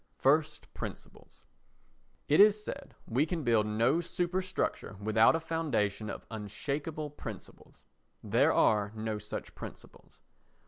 First Principles It is said we can build no superstructure without a foundation of unshakable principles. There are no such principles.